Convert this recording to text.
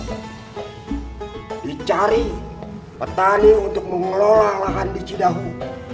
di cari petani untuk mengelola lahan di cidaho